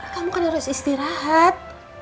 kamu kan harus istirahat